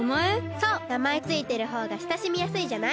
そうなまえついてるほうがしたしみやすいじゃない。